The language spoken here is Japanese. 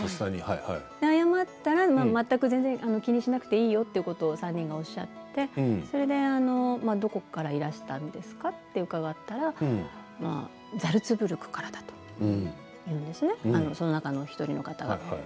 謝ったら全く気にしなくていいよって３人がおっしゃってそれでどこからいらしたんですか？と伺ったらザルツブルクからだとその中の１人の方が。